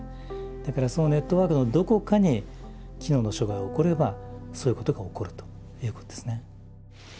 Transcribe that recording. だからそのネットワークのどこかに機能の障害が起こればそういうことが起こるということですね。